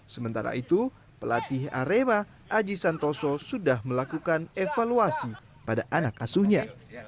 sementara itu pelatih arema aji santoso sudah melakukan evaluasi pada anak asuhnya